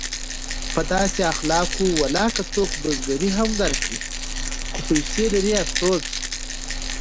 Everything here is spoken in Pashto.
په داسې اخلاقو ولاکه څوک بزګري هم درکړي خو پیسې لري افسوس!